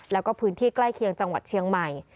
แล้วก็พื้นที่ใกล้เคียงจังหวัดเชียงใหม่